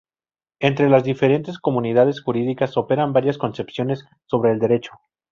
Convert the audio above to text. Entre las diferentes comunidades jurídicas operan varias concepciones sobre el Derecho.